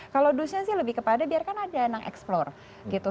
kalau do's nya sih lebih kepada biarkan ada yang eksplor gitu